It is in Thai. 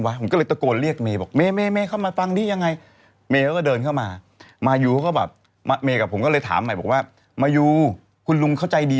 ปรากฏว่าอันนี้มันยาวไปไหมเนี่ย